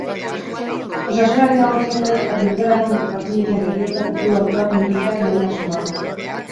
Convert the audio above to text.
Osasunari dagokionez, erditzerakoan gertatzen diren heriotza-kopuru altuak murrizteak lehentasuna du.